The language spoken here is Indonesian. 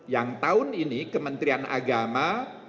yang tahun ini kementerian agama